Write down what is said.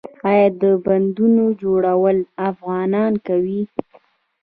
آیا د بندونو جوړول افغانان کوي؟